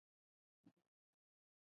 وادي د افغانستان د صادراتو برخه ده.